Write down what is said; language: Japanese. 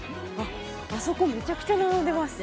あそこめちゃくちゃ並んでます